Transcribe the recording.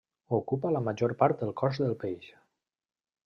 Ocupa la major part del cos del peix.